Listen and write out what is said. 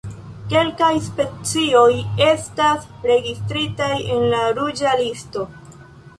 Kelkaj specioj estas registritaj en la Ruĝa listo.